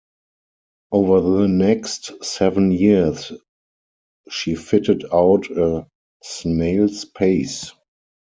Over the next seven years, she fitted out at a snail's pace.